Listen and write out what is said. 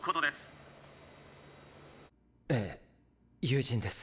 ええ友人です。